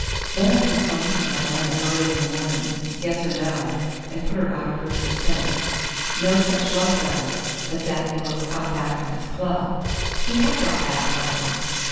Then I can phone to Madalena early in the morning, yes or no, and put her out of her suspense. No such luck, though, as that he will have got back from his club!" He had got back, however.